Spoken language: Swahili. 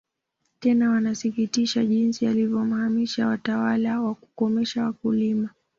Tena wanasikitikia jinsi alivyohamasisha watawala kukomesha wakulima